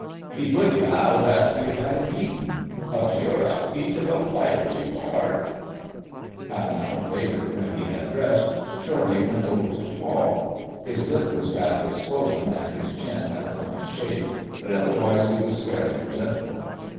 He put you out after you had him beaten. Oh, you're a peach of a fighter, you are!" Half an hour later when he had dressed, Shorty went over to the Hall. His lip was badly swollen and his chin had a funny shape, but otherwise he was fairly presentable.